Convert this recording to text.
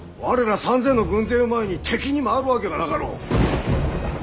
我ら３，０００の軍勢を前に敵に回るわけがなかろう。